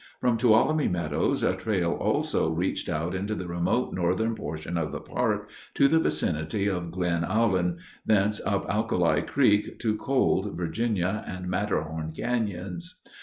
From Tuolumne Meadows a trail also reached out into the remote northern portion of the park to the vicinity of Glen Aulin, thence up Alkali Creek to Cold, Virginia, and Matterhorn canyons.